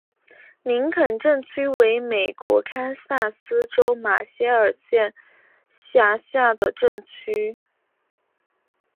林肯镇区为美国堪萨斯州马歇尔县辖下的镇区。